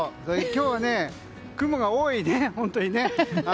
今日は雲が多いね、本当にね。